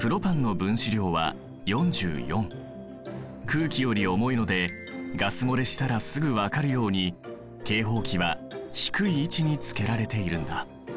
空気より重いのでガス漏れしたらすぐ分かるように警報器は低い位置につけられているんだ。